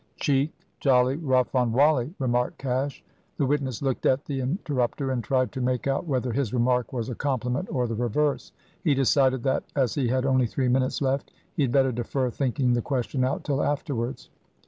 "Cheek. Jolly rough on Wally," remarked Cash. The witness looked at the interrupter, and tried to make out whether his remark was a compliment or the reverse. He decided that, as he had only three minutes left, he had better defer thinking the question out till afterwards.